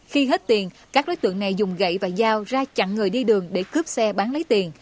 khi hết tiền các đối tượng này dùng gậy và dao ra chặn người đi đường để cướp xe bán lấy tiền